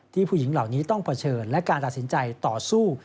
ผู้หญิงเหล่านี้ต้องเผชิญและการตัดสินใจต่อสู้